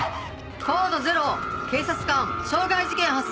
コード０警察官傷害事件発生！